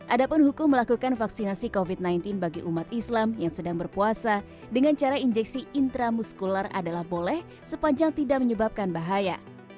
adapun hukum melakukan vaksinasi covid sembilan belas bagi umat islam yang sedang berpuasa dengan cara injeksi intramuskular adalah boleh sepanjang tidak menyebabkan bahaya